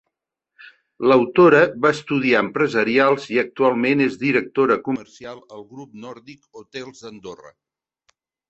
L'autora va estudiar empresarials, i actualment és directora comercial al grup Nòrdic Hotels d'Andorra.